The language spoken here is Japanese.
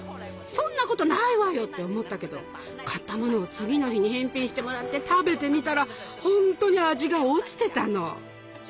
「そんなことないわよ」って思ったけど買ったものを次の日に返品してもらって食べてみたらほんとに味が落ちてたの。